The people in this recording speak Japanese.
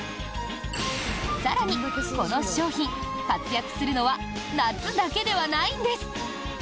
更に、この商品活躍するのは夏だけではないんです！